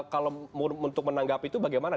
kalau untuk menanggapi itu bagaimana